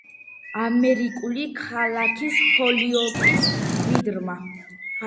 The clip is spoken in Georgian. ამერიკული ქალაქის ჰოლიოკის მკვიდრმა,